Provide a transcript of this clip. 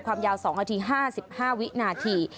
ความยาว๒นาที๕๕วินาที